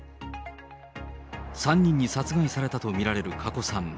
３人に殺害されたと見られる加古さん。